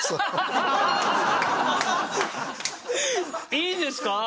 いいんですか？